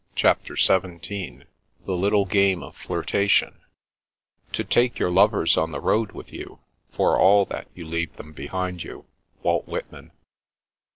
CHAPTER XVII Vbe Xfttic Oame ot yiittatton " To take yonr lovers on the road with you, for all that you leave them tiehind you." —Walt Whitman.